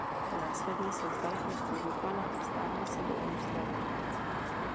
Následně se vzdal postu župana a stáhl se do ústraní.